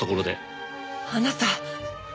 あなた。